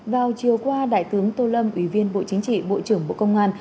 vào chiều qua đại tướng tô lâm ủy viên bộ chính trị bộ trưởng bộ công an